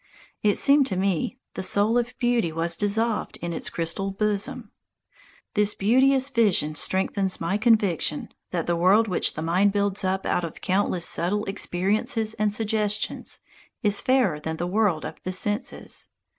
It seemed to me, the soul of beauty was dissolved in its crystal bosom. This beauteous vision strengthens my conviction that the world which the mind builds up out of countless subtle experiences and suggestions is fairer than the world of the senses.